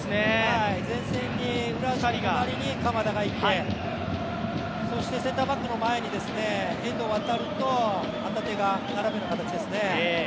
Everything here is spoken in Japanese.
前線に鎌田がいてそしてセンターバックの前に遠藤航と旗手が並ぶような形ですね。